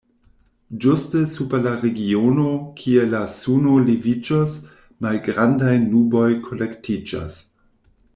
Ĝuste super la regiono, kie la suno leviĝos, malgrandaj nuboj kolektiĝas.